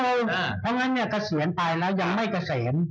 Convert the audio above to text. เพราะงั้นเนี่ยเกษียณไปแล้วยังไม่เกษม